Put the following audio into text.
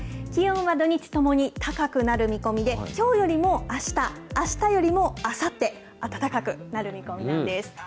気温は土日ともに高くなる見込みで、きょうよりもあした、あしたよりもあさって、暖かくなる見込みなんです。